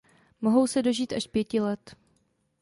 Mohou se dožít až pěti let.